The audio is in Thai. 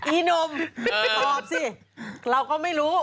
อีหนุ่มตอบสิเราก็ไม่รู้